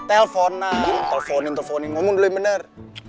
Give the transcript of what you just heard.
telfonan telfonin telfonin ngomong dulu yang bener